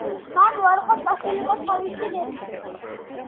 მან უარყო წასულიყო თავისი ნებით.